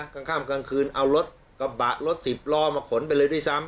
กลางข้ามกลางคืนเอารถกระบะรถสิบล้อมาขนไปเลยด้วยซ้ำ